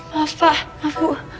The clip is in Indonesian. maaf pak maaf bu